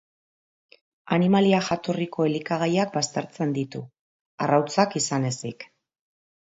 Animalia jatorriko elikagaiak baztertzen ditu, arrautzak izan ezik.